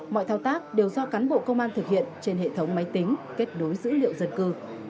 mọi thao tác đều do cán bộ công an thực hiện trên hệ thống máy tính kết nối dữ liệu dân cư